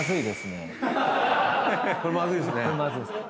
これまずいですね。